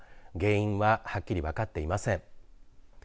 原因ははっきり分かっていません。